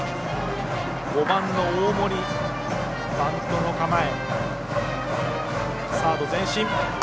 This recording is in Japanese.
５番の大森、バントの構え。